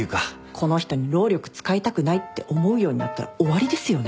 この人に労力使いたくないって思うようになったら終わりですよね。